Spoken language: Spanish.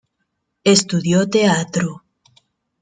Estudió teatro.